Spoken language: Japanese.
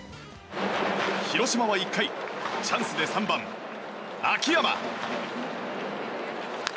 広島は１回チャンスで３番、秋山。